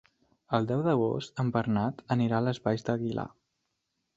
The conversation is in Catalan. El deu d'agost en Bernat anirà a les Valls d'Aguilar.